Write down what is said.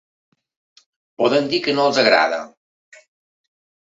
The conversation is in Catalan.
Poden dir que no els agrada.